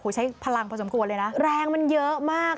ใช้พลังพอสมควรเลยนะแรงมันเยอะมาก